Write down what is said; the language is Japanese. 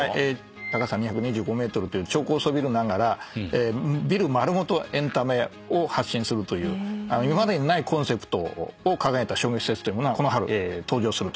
高さ２２５ｍという超高層ビルながらビル丸ごとエンタメを発信するという今までにないコンセプトを考えた商業施設というものがこの春登場すると。